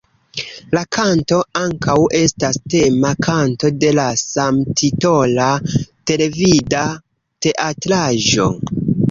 La kanto ankaŭ estas tema kanto de la samtitola televida teatraĵo.